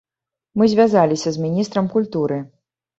Мы звязаліся з міністрам культуры.